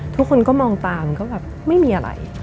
ทุกคนก็มองตามก็แบบไม่มีอะไร